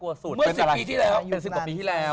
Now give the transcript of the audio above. เมื่อสิบปีที่แล้ว